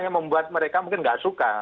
yang membuat mereka mungkin nggak suka